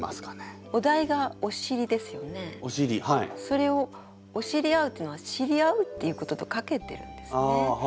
それを「おしりあう」っていうのは知り合うっていうこととかけてるんですね。